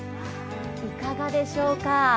いかがでしょうか。